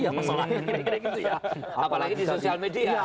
apalagi di sosial media